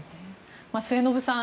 末延さん